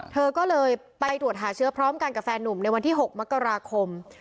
เธอก็เลยไปตรวจหาเชื้อพร้อมกันกับแฟนนุ่มในวันที่๖มกราคม